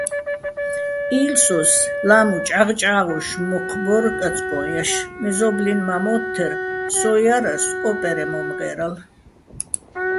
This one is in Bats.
ი́ლსოს ლა́მუ ჭაღჭა́ღოშ მოჴ ბო́რ კაწკო́ჼ ჲაშ, მეზო́ბლინ მა́ მო́თთერ, სო ჲარასო̆ ო́პერეჼ მომღე́რალ.